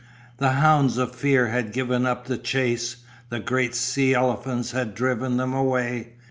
The hounds of Fear had given up the chase. The great sea elephants had driven them away.